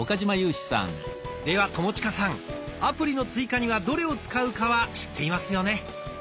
では友近さんアプリの追加にはどれを使うかは知っていますよね？